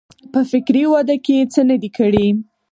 په فکري وده کې څه نه دي کړي.